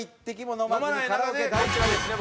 飲まない中でこちらですね